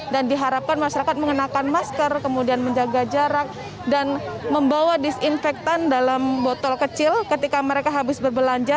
dan diharapkan masyarakat mengenakan masker kemudian menjaga jarak dan membawa disinfektan dalam botol kecil ketika mereka habis berbelanja